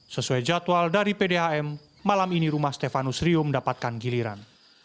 sesuai jadwal dari pdhm malam ini rumah stefanus rio mendapatkan giliran